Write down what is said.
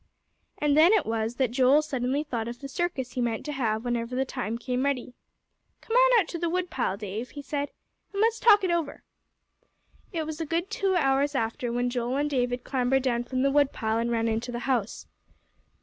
And then it was that Joel suddenly thought of the circus he meant to have whenever the time came ready. "Come on out to the woodpile, Dave," he said, "and let's talk it over." It was a good two hours after when Joel and David clambered down from the woodpile, and ran into the house.